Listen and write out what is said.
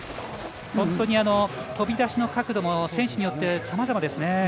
本当に飛び出しの角度も選手によってさまざまですね。